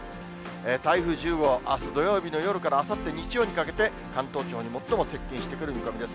台風１０号、あす土曜日の夜からあさって日曜にかけて、関東地方に最も接近してくる見込みです。